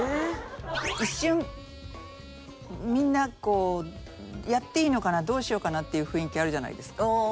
一瞬みんなやっていいのかなどうしようかなっていう雰囲気あるじゃないですか。